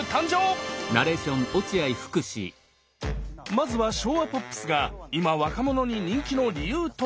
まずは昭和ポップスが今若者に人気の理由とは？